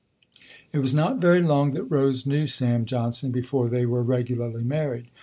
It was not very long that Rose knew Sam Johnson, before they were regularly married.